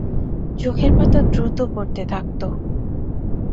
চোখের পাতা দ্রুত পড়তে থাকত।